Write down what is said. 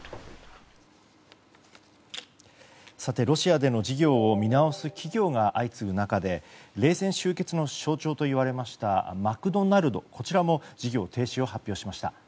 ロシアでの事業を見直す企業が相次ぐ中で冷戦終結の象徴と言われましたマクドナルドも事業停止を発表しました。